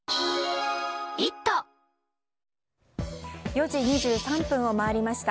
４時２３分を回りました。